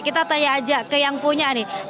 kita tanya aja ke yang punya nih